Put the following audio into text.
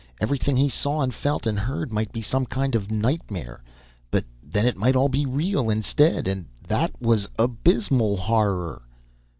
Everything he saw and felt and heard might be some kind of nightmare. But then it might all be real instead, and that was abysmal horror.